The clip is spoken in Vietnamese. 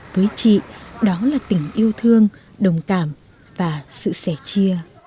với chị đó là tình yêu thương đồng cảm và sự sẻ chia